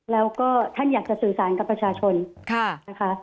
แล้วก็ท่านอยากจะสื่อสารกับประชาชนนะคะ